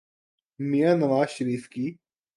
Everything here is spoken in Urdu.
میاں نواز شریف کی۔